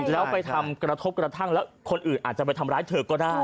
แล้วไปทำกระทบกระทั่งแล้วคนอื่นอาจจะไปทำร้ายเธอก็ได้